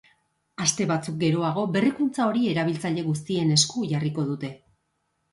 Aste batzuk geroago, berrikuntza hori erabiltzaile guztien esku jarriko dute.